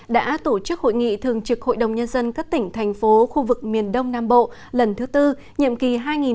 đã tổ chức hội nghị thường trực hội đồng nhân dân các tỉnh thành phố khu vực miền đông nam bộ lần thứ tư nhiệm kỳ hai nghìn một mươi sáu hai nghìn hai mươi một